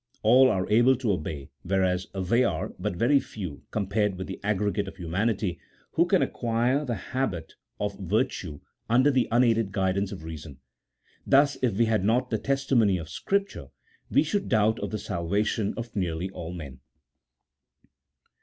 All are able to obey, whereas there are but very few, compared with the aggregate of humanity, who can acquire the habit of virtue under the unaided guidance of reason. Thus if we had not the testimony of Scripture, we should doubt of the salva tion of nearly all men.